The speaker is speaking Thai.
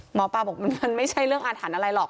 หมอปลาบอกมันไม่ใช่เรื่องอาถรรพ์อะไรหรอก